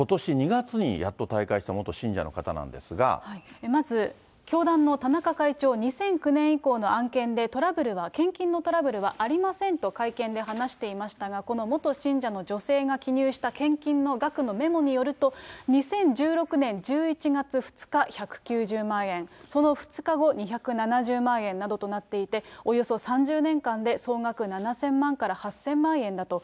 ２月にやっと退会したまず、教団の田中会長、２００９年以降の案件でトラブルは、献金のトラブルはありませんと会見で話していましたが、この元信者の女性が記入した献金の額のメモによると、２０１６年１１月２日、１９０万円、その２日後、２７０万円などとなっていて、およそ３０年間で総額７０００万から８０００万円だと。